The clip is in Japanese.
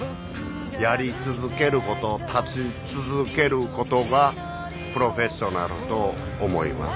やり続けること立ち続けることがプロフェッショナルと思います。